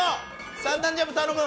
３段ジャンプ頼む。